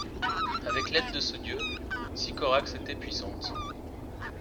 Avec l'aide de ce dieu, Sycorax était puissante.